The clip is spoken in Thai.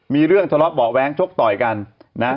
มีเรื่องทะเลาะเบาะแว้งชกต่อยกันนะ